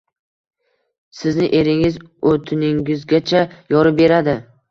Sizni eringiz o‘tiningizgacha yorib beradi.